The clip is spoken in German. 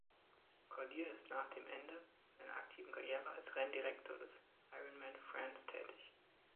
Cordier ist nach dem Ende seiner aktiven Karriere als Renndirektor des Ironman France tätig.